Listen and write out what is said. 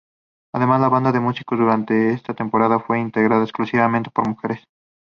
Además, la banda de músicos durante esta temporada fue integrada exclusivamente por mujeres.